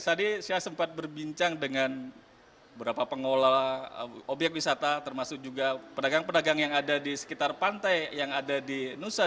tadi saya sempat berbincang dengan beberapa pengolah obyek wisata termasuk juga pedagang pedagang yang ada di sekitar pantai yang ada di nusa